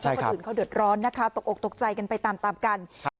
เพราะคนอื่นเขาเดือดร้อนนะคะตกอกตกใจกันไปตามกัน